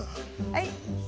はい！